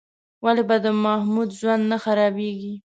ولې به د محمود ژوند نه خرابېږي؟